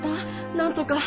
なんとか。